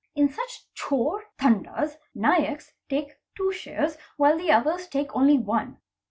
In such Chor Tandas, Naiks take two shares, while the others _ take only one.